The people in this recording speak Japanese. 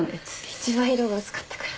一番色が薄かったから。